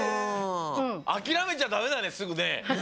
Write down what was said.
あきらめちゃダメだねすぐね！